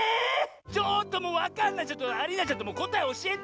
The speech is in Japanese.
ちょっともうわかんないアリーナちゃんこたえおしえて！